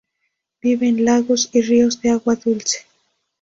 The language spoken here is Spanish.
Vive en lagos y ríos de agua dulce.